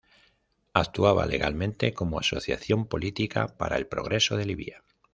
Actuaba legalmente como Asociación Política para el Progreso de Libia.